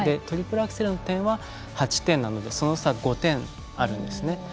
トリプルアクセルの点は８点なのでその差、５点あるんですね。